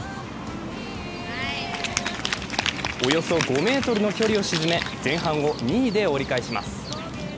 およそ５ｍの距離を沈め、前半を２位で折り返します。